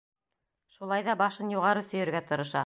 Шулай ҙа башын юғары сөйөргә тырыша.